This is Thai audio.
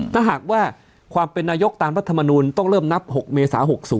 ถ้าหากว่าความเป็นนายกตามรัฐมนูลต้องเริ่มนับ๖เมษา๖๐